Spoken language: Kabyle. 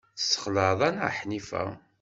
Tessexleɛ-aneɣ Ḥnifa.